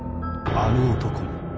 あの男に。